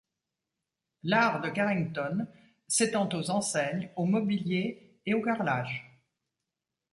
L'art de Carrington s'étend aux enseignes, au mobilier et au carrelage.